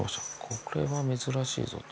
これは珍しいぞと。